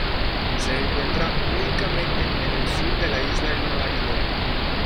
Se encuentra únicamente en el sur de la isla de Nueva Guinea.